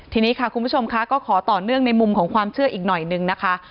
ทีนี้ค่ะคุณผู้ชมค่ะก็ขอต่อเนื่องในมุมของความเชื่ออีกหน่อยนึงนะคะ